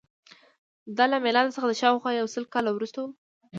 دا له میلاد څخه شاوخوا یو سل کاله وروسته وه